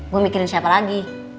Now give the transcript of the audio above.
gue mikirin siapa lagi